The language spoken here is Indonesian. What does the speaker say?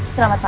selamat pak om